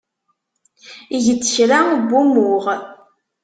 Eg-d kra n wumuɣ.